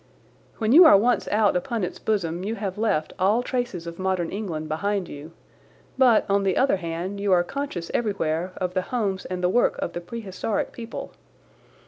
When you are once out upon its bosom you have left all traces of modern England behind you, but, on the other hand, you are conscious everywhere of the homes and the work of the prehistoric people.